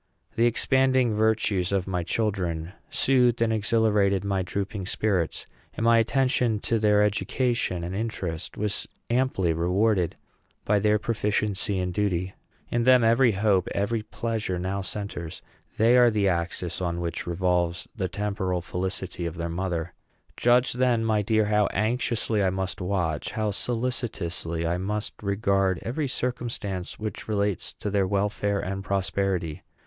The expanding virtues of my children soothed and exhilarated my drooping spirits, and my attention to their education and interest was amply rewarded by their proficiency and duty. In them every hope, every pleasure, now centres. They are the axis on which revolves the temporal felicity of their mother. Judge, then, my dear, how anxiously I must watch, how solicitously I must regard, every circumstance which relates to their welfare and prosperity!